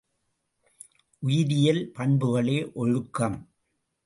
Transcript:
உயிரியல் பண்புகளே ஒழுக்கம்.